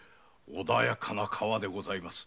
穏やかな川でございます。